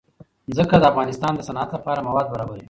ځمکه د افغانستان د صنعت لپاره مواد برابروي.